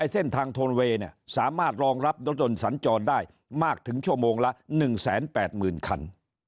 เส้นทางโทนเวย์สามารถรองรับรถยนต์สัญจรได้มากถึงชั่วโมงละ๑๘๐๐๐คัน